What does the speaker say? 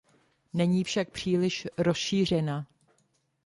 Není však příliš rozšířena.